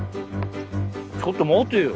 ちょっと待てよ。